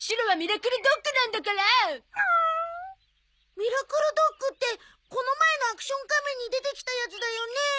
ミラクルドッグってこの前の『アクション仮面』に出てきたやつだよね？